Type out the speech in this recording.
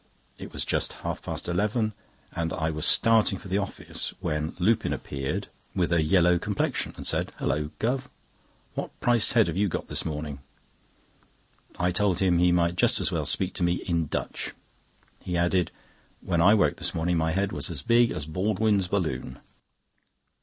It was just half past eleven, and I was starting for the office, when Lupin appeared, with a yellow complexion, and said: "Hulloh! Guv., what priced head have you this morning?" I told him he might just as well speak to me in Dutch. He added: "When I woke this morning, my head was as big as Baldwin's balloon."